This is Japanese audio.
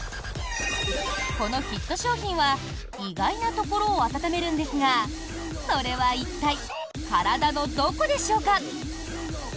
このヒット商品は意外なところを温めるんですがそれは一体体のどこでしょうか？